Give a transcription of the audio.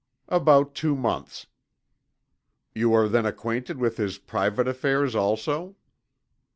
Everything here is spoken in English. "About two months." "You are then acquainted with his private affairs also?"